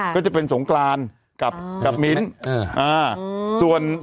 ก็จะเป็นสงกรานกับมิ้น